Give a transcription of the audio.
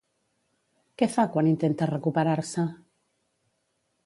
Què fa quan intenta recuperar-se?